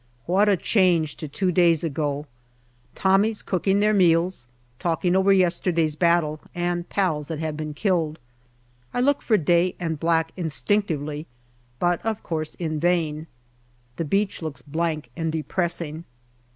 What a change to two days ago ! Tommies cooking their meals, talking over yesterday's 188 GALLIPOLI DIARY battle and pals that have been killed. I look for Day and Black instinctively, but of course in vain. The beach looks blank and depressing.